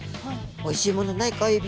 「おいしいものないかエビ？」。